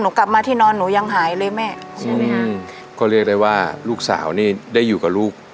กลับมาที่นอนหนูยังหายเลยแม่ใช่ไหมฮะก็เรียกได้ว่าลูกสาวนี่ได้อยู่กับลูก